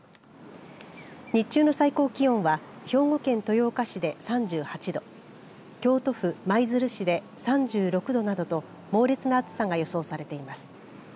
日中の最高気温は兵庫県豊岡市で３８度京都府舞鶴市で３６度などと猛烈な暑さが予想されています。